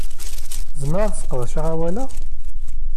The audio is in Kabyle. Zemreɣ ad sqedceɣ asawal?